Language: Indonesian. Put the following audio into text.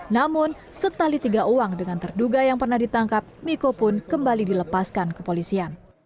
namun setali tiga uang dengan terduga yang pernah ditangkap miko pun kembali dilepaskan ke polisian